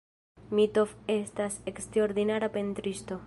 Mitov estas eksterordinara pentristo.